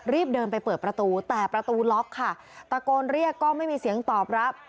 รีบเดินไปเปิดประตูแต่ประตูล็อกค่ะตะโกนเรียกก็ไม่มีเสียงตอบรับ